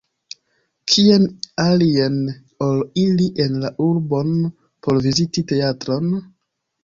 Kien alien ol iri en la urbon por viziti teatron?